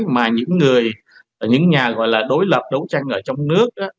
mà những người những nhà gọi là đối lập đấu tranh ở trong nước